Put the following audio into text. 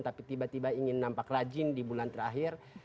tapi tiba tiba ingin nampak rajin di bulan terakhir